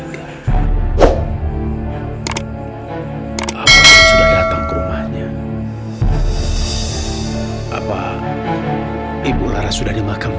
tapi sebenarnya om malah rasko